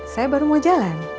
saya baru mau jalan